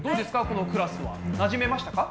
このクラスは。なじめましたか？